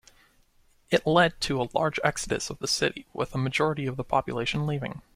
It led to a large exodus of the city, with a majority of the population leaving.